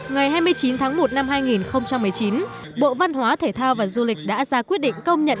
ngày hai mươi chín tháng một năm hai nghìn một mươi chín bộ văn hóa thể thao và du lịch đã ra quyết định công nhận